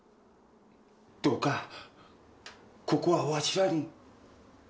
どうかここはわしらに。